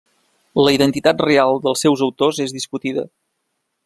La identitat real dels seus autors és discutida.